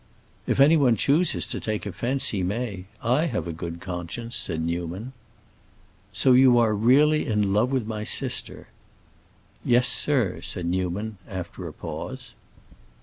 "If anyone chooses to take offense, he may. I have a good conscience," said Newman. "So you are really in love with my sister." "Yes, sir!" said Newman, after a pause.